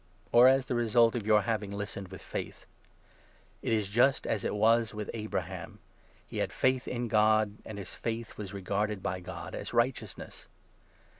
or as the result of your having listened with faith ? It is just as it was with Abraham —' He had faith in God, and his faith was regarded by God as righteousness.'